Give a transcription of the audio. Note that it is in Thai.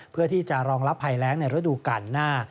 เพื่อที่จะรองรับภัยแรงในฤดูกาลหน้า